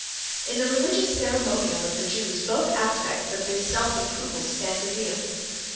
In the religious ceremonial of the Jews both aspects of this self approval stand revealed.